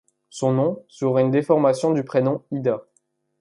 Son nom serait une déformation du prénom Ida.